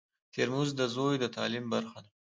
ترموز د زوی د تعلیم برخه ده.